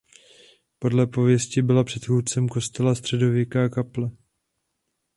Podle pověsti byla předchůdcem kostela středověká kaple.